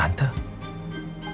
tante tahu ya